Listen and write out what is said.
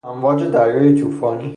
امواج دریای توفانی